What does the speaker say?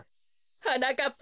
はなかっ